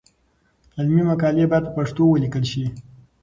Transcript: علمي مقالې باید په پښتو ولیکل شي.